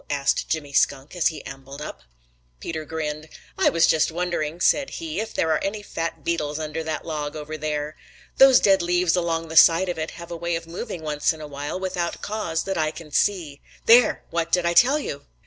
asked Jimmy Skunk as he ambled up. Peter grinned. "I was just wondering," said he, "if there are any fat beetles under that log over there. Those dead leaves along the side of it have a way of moving once in a while without cause that I can see. There! What did I tell you?"